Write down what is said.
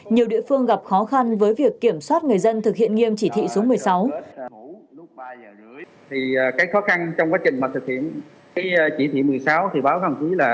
nhiều địa phương gặp khó khăn với việc kiểm soát người dân thực hiện nghiêm chỉ thị số một mươi sáu